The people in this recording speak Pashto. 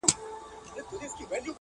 ته دې هره ورځ و هيلو ته رسېږې.